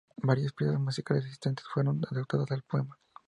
Varias piezas musicales existentes fueron adaptadas al poema.